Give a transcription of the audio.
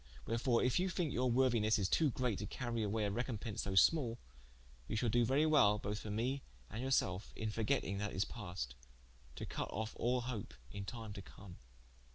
Wherefore if you thinke your worthinesse to great to cary away a recompence so small, you shall doe very wel both for me and yourselfe, in forgetting that is past, to cut of all hope in time to come."